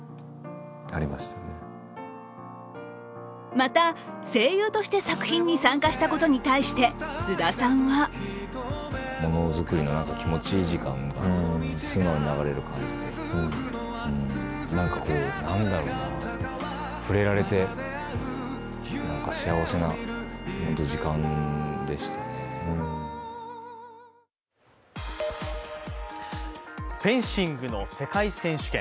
また声優として作品に参加したことに対して菅田さんはフェンシングの世界選手権。